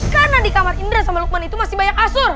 karena di kamar indra sama lukman itu masih banyak kasur